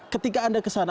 ketika anda kesana